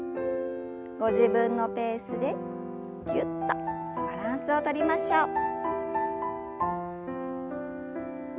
ご自分のペースでぎゅっとバランスをとりましょう。